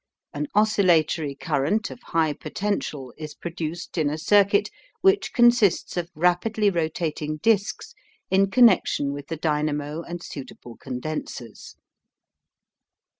An oscillatory current of high potential is produced in a circuit which consists of rapidly rotating disks in connection with the dynamo and suitable condensers.